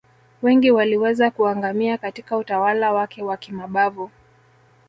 Wengi waliweza kuangamia Katika utawala wake wa kimabavu